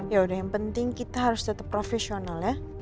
yaudah yang penting kita harus tetap profesional ya